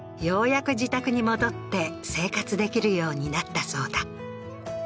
やく自宅に戻って生活できるようになったそうだ